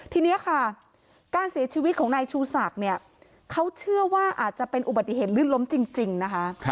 ทีนี้ค่ะการเสียชีวิตของนายชูศักดิ์เนี่ยเขาเชื่อว่าอาจจะเป็นอุบัติเหตุลื่นล้มจริงนะคะ